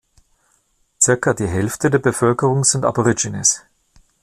Circa die Hälfte der Bevölkerung sind Aborigines.